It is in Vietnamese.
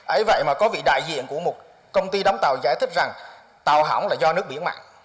ấy vậy mà có vị đại diện của một công ty đóng tàu giải thích rằng tàu hỏng là do nước biển mặn